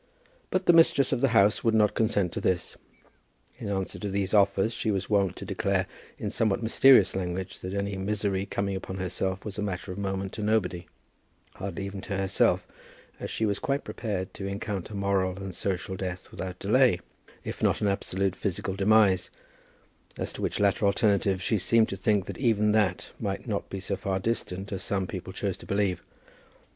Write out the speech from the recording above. But the mistress of the house would not consent to this. In answer to these offers, she was wont to declare in somewhat mysterious language, that any misery coming upon herself was matter of moment to nobody, hardly even to herself, as she was quite prepared to encounter moral and social death without delay, if not an absolute physical demise; as to which latter alternative, she seemed to think that even that might not be so far distant as some people chose to believe.